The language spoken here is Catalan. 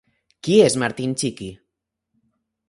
Qui és Martin Txiki?